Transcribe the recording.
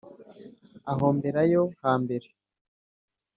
aho mbera yo hambere